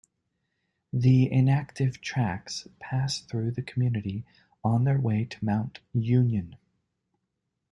The inactive tracks pass through the community on their way to Mount Union.